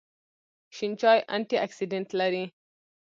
شین چای انټي اکسیډنټ لري